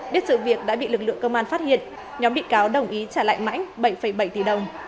biết sự việc đã bị lực lượng công an phát hiện nhóm bị cáo đồng ý trả lại mãnh bảy bảy tỷ đồng